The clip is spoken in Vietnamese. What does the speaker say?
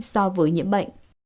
so với nhiễm bệnh